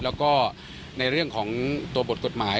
แล้วก็ในเรื่องของตัวบทกฎหมาย